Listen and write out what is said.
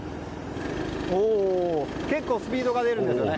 結構スピードが出るんですよね。